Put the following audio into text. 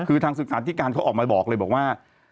คือทางสื่อสารที่การเขาออกมาบอกเลยว่า